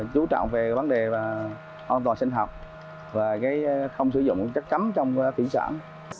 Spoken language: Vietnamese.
chú trọng về vấn đề an toàn sinh học và không sử dụng chất cấm trong thủy sản